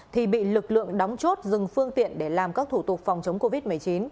thì bị lực lượng đóng chốt dừng phương tiện để làm các thủ tục phòng chống covid một mươi chín